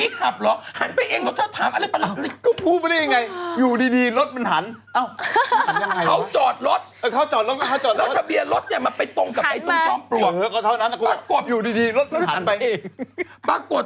เค้าบอกว่าคล้ายกับพญานาค